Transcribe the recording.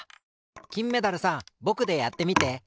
きんメダルさんぼくでやってみて。